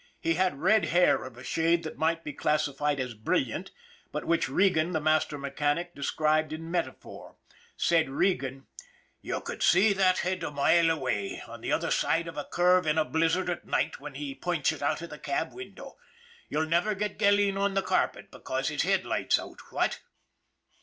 He had red hair of a shade that might be classified as brilliant, but which Regan, the master mechanic, described in metaphor. Said Regan :' You could see that head a mile away on the other side of a curve in a blizzard at night when he pokes it out of the cab window. You'll never get Gilleen on the carpet because his headlight's out, what